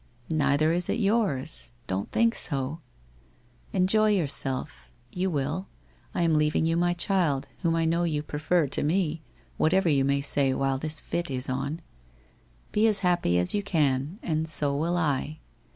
Neither is it yours. Don't think so. Enjoy j ourself. You will. I am leaving you my child, whom I know you prefer to me, whatever you may say while this fit is on. Be as happy as you can, and so will I.